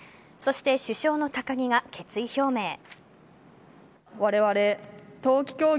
そして主将の高木が決意表明。